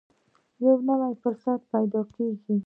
یو نوی فرصت پیدا کېږي.